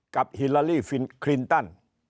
ฮิลาลีคลินตัน